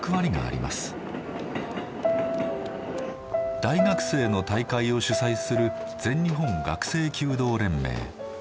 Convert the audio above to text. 大学生の大会を主催する全日本学生弓道連盟。